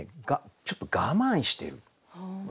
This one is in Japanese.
ちょっと我慢してる。